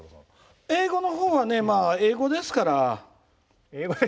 英語のほうはまあ英語ですから。